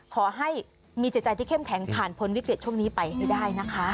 ขอให้มีจิตใจที่เข้มแข็งผ่านพ้นวิกฤตช่วงนี้ไปให้ได้นะคะ